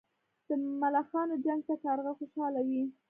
د ملخانو جنګ ته کارغه خوشاله وي.